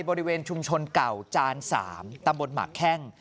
บริเวณชุมชนเก่าจาน๓ตำบลหมากแข้ง